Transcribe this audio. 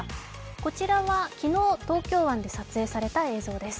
こちらは昨日、東京湾で撮影された映像です。